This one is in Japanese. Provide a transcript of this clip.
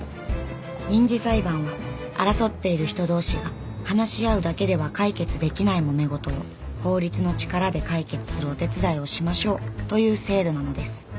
民事裁判は争っている人同士が話し合うだけでは解決できないもめごとを法律の力で解決するお手伝いをしましょうという制度なのです